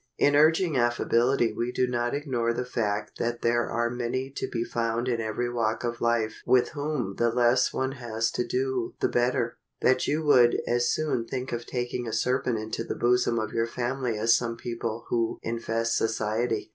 In urging affability we do not ignore the fact that there are many to be found in every walk of life with whom the less one has to do the better, that you would as soon think of taking a serpent into the bosom of your family as some people who infest society.